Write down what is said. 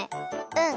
うん。